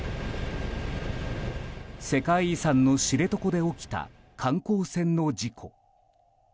世界遺産の知床で起きた観光船の事故。